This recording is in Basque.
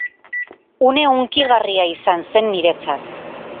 Une hunkigarria izan zen niretzat.